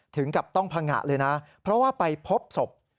ถึงกับต้องพังงะเลยนะเพราะว่าไปพบศพ